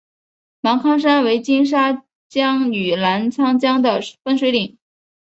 芒康山为金沙江与澜沧江的分水岭。